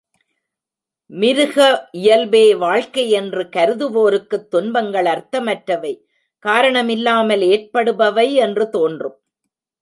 மிருக இயல்பே வாழ்க்கை யென்று கருதுவோருக்குத் துன்பங்கள் அர்த்தமற்றவை, காரணமில்லாமல் ஏற்படுபவை என்று தோன்றும்.